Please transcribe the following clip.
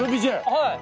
はい。